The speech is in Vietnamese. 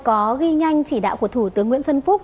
có ghi nhanh chỉ đạo của thủ tướng nguyễn xuân phúc